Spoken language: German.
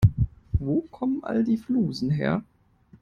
Wo kommen all die Flusen her?